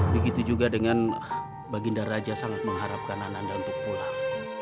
begitu juga dengan baginda raja sangat mengharapkan ananda untuk pulang